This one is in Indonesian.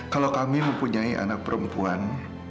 kalau kami mempunyai anak perempuan